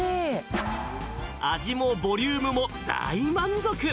味もボリュームも大満足。